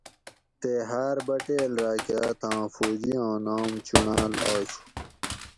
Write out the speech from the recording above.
تے ہاۤر بٹیل راۤکہ اتھاں فوجی آں نام چُونڑاۤل آشو